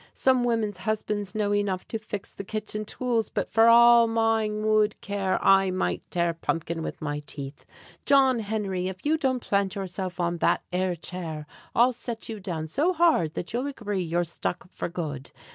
Some women's husbands know enough to fix The kitchen tools; but, for all mine would care, I might tear pumpkin with my teeth. John Henry, If you don't plant yourself on that 'ere chair, I'll set you down so hard that you'll agree You're stuck for good.